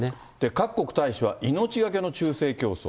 各国大使は命懸けの忠誠競争。